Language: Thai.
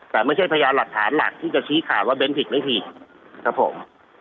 แต่ไม่ใช่พยานหลักฐานหลักที่จะชี้ขาดว่าเน้นผิดไม่ผิดครับผม